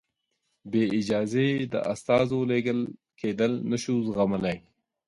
بې اجازې د استازو لېږل کېدل نه شو زغملای.